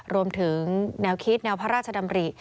รวมถึงแนวคิดแนวพระราชดำริ